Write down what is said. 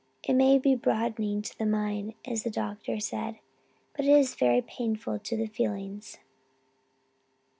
It may be broadening to the mind, as the doctor said, but it is very painful to the feelings."